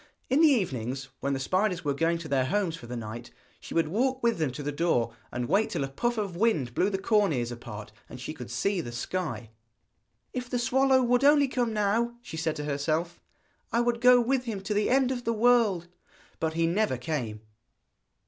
In the evenings, when the spiders were going to their homes for the night, she would walk with them to the door and wait till a puff of wind blew the corn ears apart, and she could see the sky. 'If the swallow would only come now,' she said to herself, 'I would go with him to the end of the world.' But he never came!